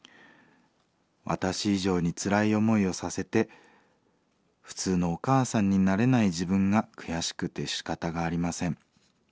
私以上につらい思いをさせて普通のお母さんになれない自分が悔しくてしかたがありません。